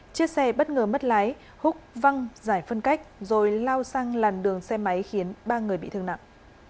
chiếc xe bất ngờ mất lái húc văng giải phân cách rồi lao sang làn đường xe máy khiến ba người bị thương nặng